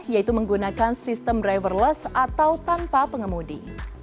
yaitu menggunakan sistem driverless atau tanpa pengemudi